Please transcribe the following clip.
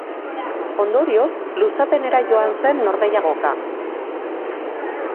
Ondorioz, luzapenera joan zen norgehiagoka.